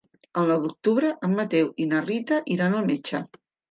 El nou d'octubre en Mateu i na Rita iran al metge.